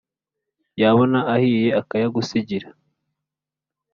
Yabona ahiye akayagusigira !“